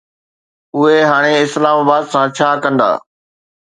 اهي هاڻي اسلام آباد سان ڇا ڪندا؟